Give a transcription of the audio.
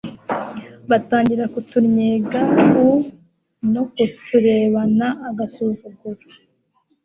batangira kutunnyega u no kuturebana agasuzuguro